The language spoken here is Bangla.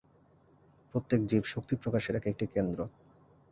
প্রত্যেক জীব শক্তিপ্রকাশের এক-একটি কেন্দ্র।